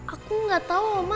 aku gak tau oma